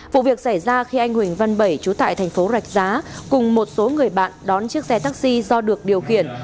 vụ việc xảy ra khi anh huỳnh văn bảy trú tại thành phố rạch giá cùng một số người bạn đón chiếc xe taxi do được điều khiển